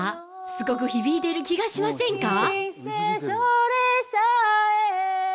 すごく響いてる気がしませんか？